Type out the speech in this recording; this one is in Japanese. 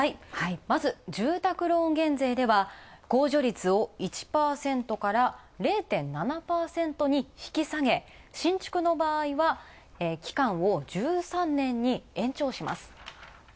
住宅ローン減税では控除率を１％から０．７％に引き下げ、新築の場合は、期間を１３年に延長します。